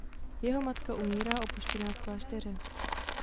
Jeho matka umírá opuštěná v klášteře.